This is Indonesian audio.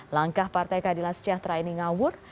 langkah partai kadilas ciatra ini ngawur